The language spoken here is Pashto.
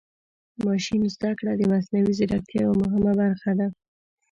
ماشین زده کړه د مصنوعي ځیرکتیا یوه مهمه برخه ده.